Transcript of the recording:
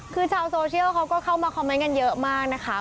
คือชาวโซเชียลเขาก็เข้ามาคอมเมนต์กันเยอะมากนะคะ